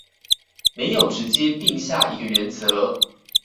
沒有直接定下一個原則